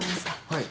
はい。